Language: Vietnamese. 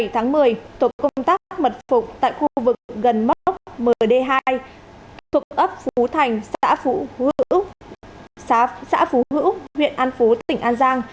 tuổi công tác mật phục tại khu vực gần mốc md hai thuộc ấp phú thành xã phú hữu huyện an phú tỉnh an giang